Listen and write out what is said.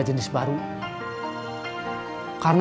karena ini narkoba yang berbeda dengan narkoba lainnya